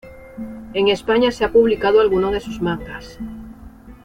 En España se ha publicado algunos de sus mangas.